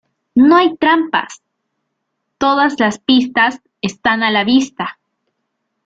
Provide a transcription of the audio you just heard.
No hay trampas: todas las pistas están a la vista".